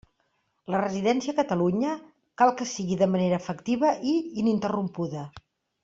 La residència a Catalunya cal que sigui de manera efectiva i ininterrompuda.